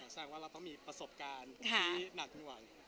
แสดงว่าเราต้องมีประสบการณ์ที่หนักจนกว่า